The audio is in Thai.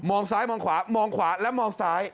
ซ้ายมองขวามองขวาและมองซ้าย